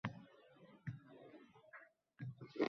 Ismoil, uning qilmishlarini otangga aytmaysanmi?